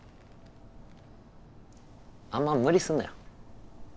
あんま無理すんなよ。